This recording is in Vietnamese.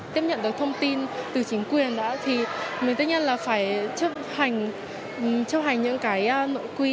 tiếp nhận được thông tin từ chính quyền thì mình tất nhiên là phải chấp hành những nội quy